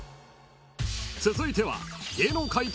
［続いては］